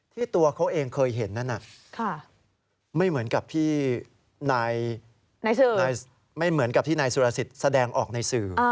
ที่ตัวเขาเองเคยเห็นนั่นไม่เหมือนกับที่นายสุรสิตแสดงออกในสื่อ